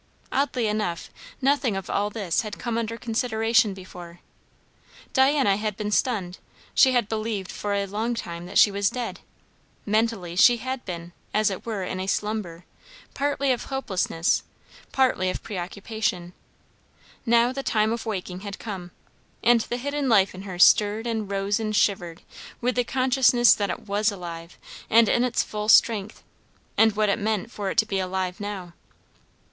Oddly enough, nothing of all this had come under consideration before. Diana had been stunned; she had believed for a long time that she was dead, mentally; she had been, as it were, in a slumber, partly of hopelessness, partly of preoccupation; now the time of waking had come; and the hidden life in her stirred and rose and shivered with the consciousness that it was alive and in its full strength, and what it meant for it to be alive now.